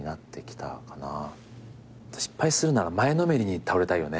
あと失敗するなら前のめりに倒れたいよね。